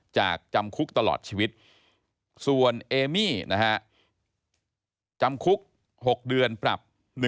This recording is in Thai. จำคุกตลอดชีวิตส่วนเอมี่นะฮะจำคุก๖เดือนปรับ